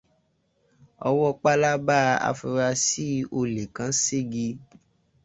Ọwọ́ pálábá afurasí olè kan ségi.